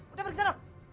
udah pergi sana